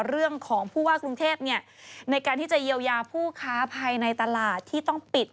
เรื่องของผู้ว่ากรุงเทพในการที่จะเยียวยาผู้ค้าภายในตลาดที่ต้องปิด